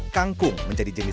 kangkung menjadi jakarta timur